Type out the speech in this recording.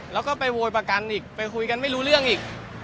แล้วก็ไปโวยประกันอีกไปคุยกันไม่รู้เรื่องอีก